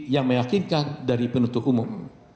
yang meyakinkan dari penuntut umum